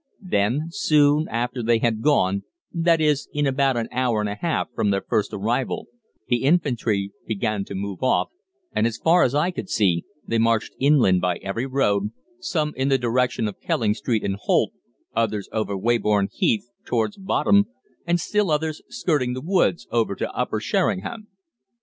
Then, soon after they had gone that is, in about an hour and a half from their first arrival the infantry began to move off, and as far as I could see, they marched inland by every road, some in the direction of Kelling Street and Holt, others over Weybourne Heath towards Bodham, and still others skirting the woods over to Upper Sheringham.